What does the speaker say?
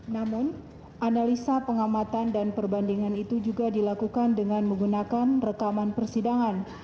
namun analisa pengamatan dan perbandingan itu juga dilakukan dengan menggunakan rekaman persidangan